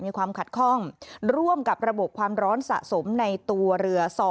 มีความขัดข้องร่วมกับระบบความร้อนสะสมในตัวเรือ๒